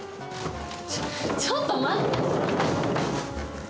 ちょちょっと待って。